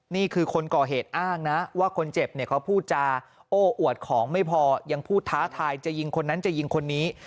นี่คือคนก่อเหตุอ้างนะว่าคนเจ็บเนี่ยเขาพูดจาโอ้อวดของไม่พอยังพูดท้าทายจะยิงคนนั้นจะยิงคนนี้